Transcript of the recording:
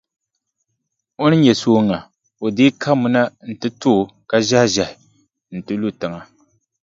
O ni nya sooŋa, o dii kabimi na nti to o ka ʒɛhiʒɛhi nti lu tiŋa.